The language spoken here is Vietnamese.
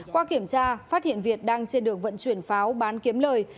qua kiểm tra phát hiện việt đang trên đường vận chuyển pháo bán kiếm lời